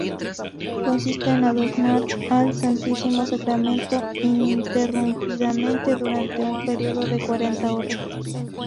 Consiste en adorar al Santísimo Sacramento ininterrumpidamente durante un periodo de cuarenta horas.